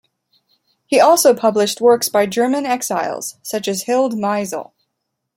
He also published works by German exiles, such as Hilde Meisel.